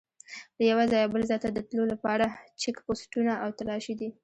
له یوه ځایه بل ځای ته د تلو لپاره چیک پوسټونه او تلاشي دي.